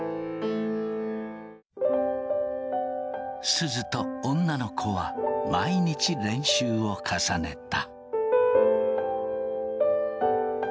すずと女の子は毎日練習を重ねた。